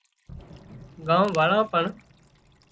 ڳام واۯان پڻ